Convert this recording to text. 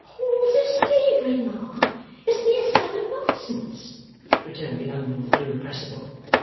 'Halls of slavery, Ma, is mere stuff and nonsense,' returned the unmoved Irrepressible.